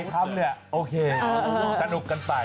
คุณผู้ชมเนี่ยโอเคสนุกกันไป